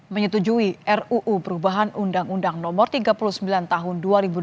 menyetujui ruu perubahan undang undang no tiga puluh sembilan tahun dua ribu delapan belas